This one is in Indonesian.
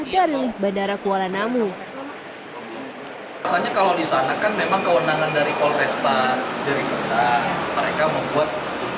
sinta deli bandara kuala namu kalau disana kan memang kewenangan dari polresta mereka membuat